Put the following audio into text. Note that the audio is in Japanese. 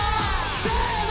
せの！